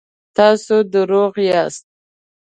تاسو روغ یاست؟